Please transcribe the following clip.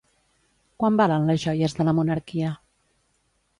Quant valen les joies de la monarquia?